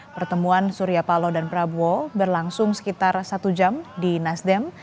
pertemuan surya palo dan prabowo berlangsung sekitar satu jam di nasdem